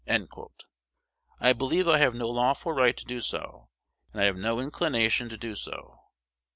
I believe I have no lawful right to do so; and I have no inclination to do so.